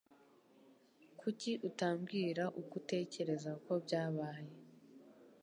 Kuki utambwira uko utekereza ko byabaye